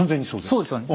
そうですよね。